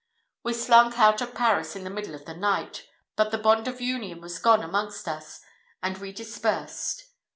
We slunk out of Paris in the middle of the night, but the bond of union was gone amongst us, and we dispersed.